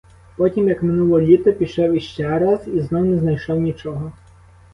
Потім, як минуло літо, пішов іще раз і знов не знайшов нічого.